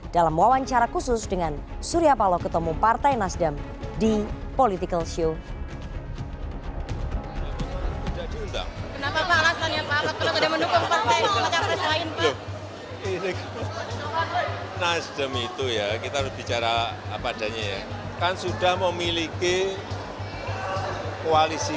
dalam wawancara khusus dengan surya palo ketemu partai nasdem di political show